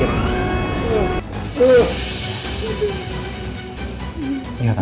biar kamu bisa pikirkan